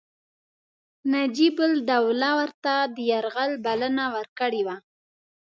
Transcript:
نجیب الدوله ورته د یرغل بلنه ورکړې وه.